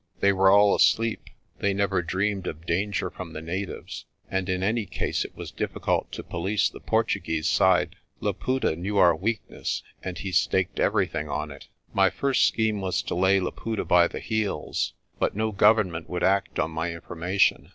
They were all asleep. They never dreamed of danger from the natives, and in any case it was difficult to police the Portuguese side. Laputa knew our weakness, and he staked everything on it. "My first scheme was to lay Laputa by the heels ; but no Government would act on my information.